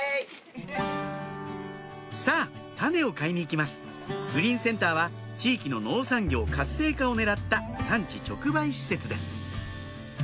さぁ種を買いに行きますグリーンセンターは地域の農産業活性化を狙った産地直売施設です